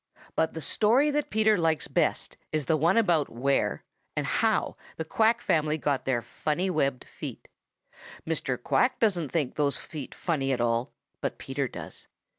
But the story that Peter likes best is the one about where and how the Quack family got their funny, webbed feet. Mr. Quack doesn't think those feet funny at all, but Peter does.